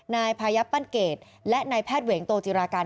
นายพายับปั้นเกตและนายแพทย์เหวงโตจิราการ